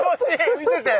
見てて！